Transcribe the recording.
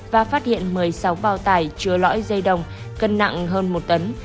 và phát hiện một mươi sáu bao tải chứa lõi dây đồng cân nặng hơn một tấn